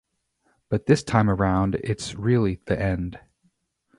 But this time around it's really the end.